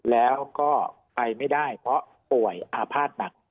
แล้วก็ไปไม่ได้เพราะป่วยอาภาษณ์หนัก